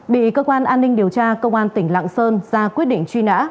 bị cơ quan an ninh điều tra công an tỉnh lạng sơn ra quyết định truy nã